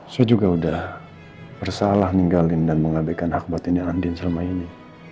saya juga udah bersalah ninggalin dan mengabekkan hak batin yang adin selama ini